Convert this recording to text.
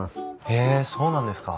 へえそうなんですか。